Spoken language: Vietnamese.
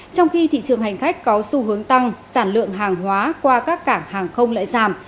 trong khi thị trường hành khách có xu hướng tăng sản lượng hàng hóa qua các cảng hàng không lại giảm